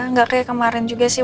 nggak kayak kemarin juga sih